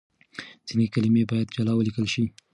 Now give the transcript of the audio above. ځينې کلمې بايد جلا وليکل شي.